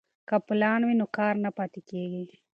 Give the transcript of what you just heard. که پلان وي نو کار نه پاتې کیږي.